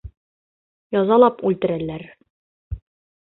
Язалап үлтерәләр...